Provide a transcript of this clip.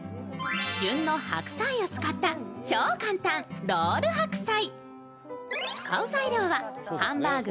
旬の白菜を使った超簡単、ロール白菜。